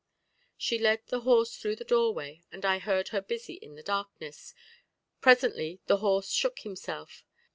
She led the horse through the doorway, and I heard her busy in the darkness; presently the horse shook himself.